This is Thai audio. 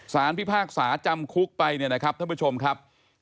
พิพากษาจำคุกไปเนี่ยนะครับท่านผู้ชมครับ